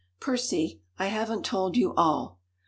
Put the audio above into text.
"Percy, I haven't told you all.